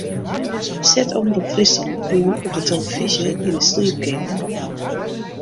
Set Omrop Fryslân oan op de tillefyzje yn 'e sliepkeamer.